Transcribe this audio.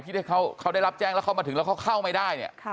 ที่เขาได้รับแจ้งแล้วเขามาถึงแล้วเขาเข้าไม่ได้เนี่ย